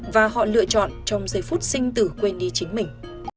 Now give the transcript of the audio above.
và họ lựa chọn trong giây phút sinh tử quên ý chính mình